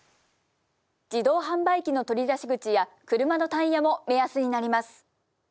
自動販売機の取り出し口や車のタイヤも目安になります。